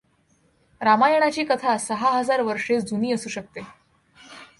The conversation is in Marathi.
रामायणाची कथा सहा हजार वर्षे जुनी असू शकते.